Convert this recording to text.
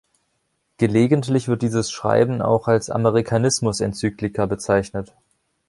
Gelegentlich wird dieses Schreiben auch als „Amerikanismus-Enzyklika“ bezeichnet.